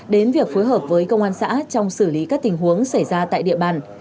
đến việc phối hợp với công an xã trong xử lý các tình huống xảy ra tại địa bàn